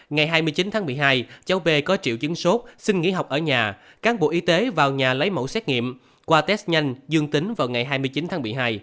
ngày hai mươi chín tháng một mươi hai cháu b có triệu chứng sốt xin nghỉ học ở nhà cán bộ y tế vào nhà lấy mẫu xét nghiệm qua test nhanh dương tính vào ngày hai mươi chín tháng một mươi hai